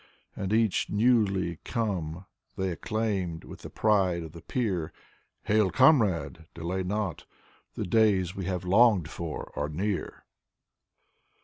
And each newly come they acclaimed with the pride of the peer: " Hail, comrade ! Delay not ! The days we have longed for are near."